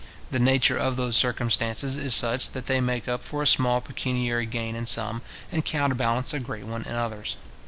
The nature of those circumstances is such, that they make up for a small pecuniary gain in some, and counterbalance a great one in others.